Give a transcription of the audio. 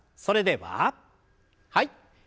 それでははい。